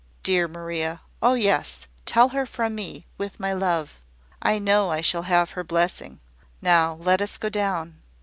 "Dear Maria! Oh, yes: tell her from me, with my love. I know I shall have her blessing. Now let us go down."